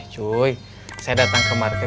jadi yang ikuti